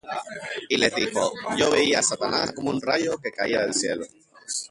Y les dijo: Yo veía á Satanás, como un rayo, que caía del cielo.